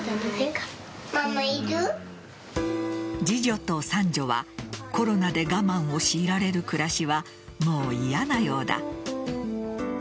次女と三女はコロナで我慢を強いられる暮らしはもう嫌なようだ。